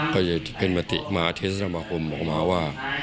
ก็จะเป็นประติมหาทฤษภาคมบอกมาว่า